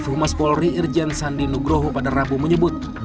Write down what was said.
humas polri irjen sandi nugroho pada rabu menyebut